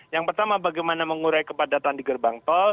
yang pertama bagaimana mengurai kepadatan di gerbang tol